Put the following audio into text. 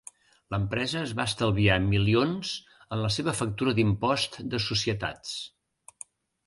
L'empresa es va estalviar milions en la seva factura d'impost de societats.